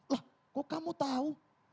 lah kok kamu tau